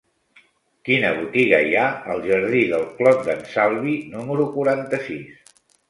Quina botiga hi ha al jardí del Clot d'en Salvi número quaranta-sis?